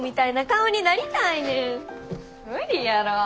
無理やろ。